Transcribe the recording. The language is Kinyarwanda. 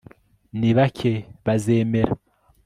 ni bake bazemera